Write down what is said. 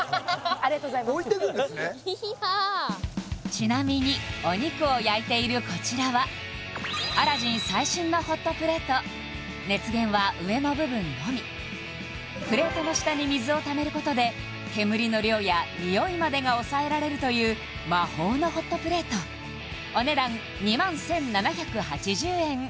ありがとうございますちなみにお肉を焼いているこちらはアラジン最新のホットプレート熱源は上の部分のみプレートの下に水をためることで煙の量やニオイまでが抑えられるという魔法のホットプレートお値段２１７８０円